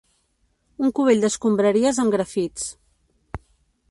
Un cubell d'escombraries amb grafits